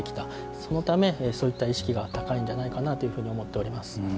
そのため、そういった意識が高いんじゃないかなと思っております。